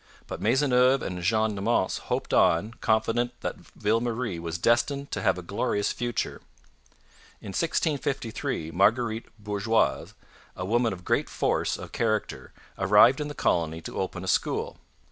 But Maisonneuve and Jeanne Mance hoped on, confident that Ville Marie was destined to have a glorious future. In 1653 Marguerite Bourgeoys, a woman of great force of character, arrived in the colony to open a school.